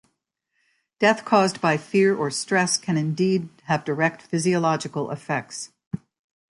Death caused by fear or stress can indeed have direct physiological effects.